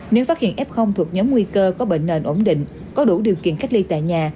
nếu phát hiện f thuộc nhóm nguy cơ có bệnh nền ổn định có đủ điều kiện cách ly tại nhà